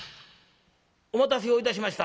お待たせをいたしました」。